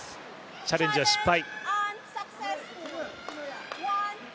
チャレンジは失敗。